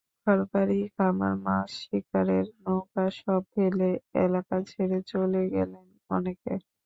ঘরবাড়ি, খামার, মাছ শিকারের নৌকা—সব ফেলে এলাকা ছেড়ে চলে গেছেন অনেকে।